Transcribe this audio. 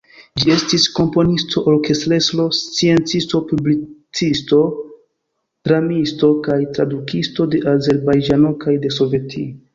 Ĝi estis komponisto, orkestrestro, sciencisto, publicisto, dramisto kaj tradukisto de Azerbajĝano kaj de Sovetio.